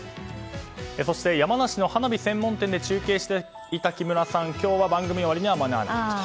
そして山梨の花火専門店で中継していた木村さん、今日は番組終わりには間に合いませんでした。